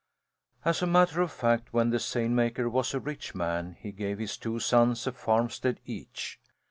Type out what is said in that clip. As a matter of fact, when the seine maker was a rich man he gave his two sons a farmstead each.